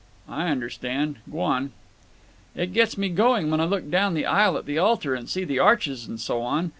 I understand. Gwan." "It gets me going when I look down the aisle at the altar and see the arches and so on.